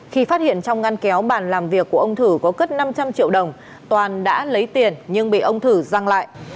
khi phát hiện trong ngăn kéo bàn làm việc của ông thử có cất năm trăm linh triệu đồng toàn đã lấy tiền nhưng bị ông thử răng lại